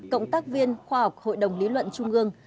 cộng tác viên khoa học hội đồng lý luận trung ương